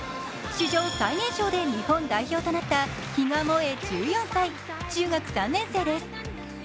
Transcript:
史上最年少で日本代表となった比嘉もえ１４歳、中学３年生です。